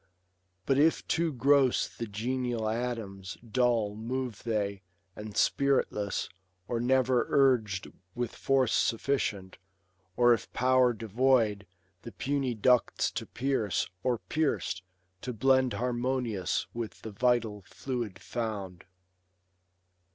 But if too gross the genial atoms, dull Move they, and spirifless, or never urg'd With force sufficient, or of power devoid The puny ducts to pierce, or, pierc'd, to blend Harmonious with the vital fluid found.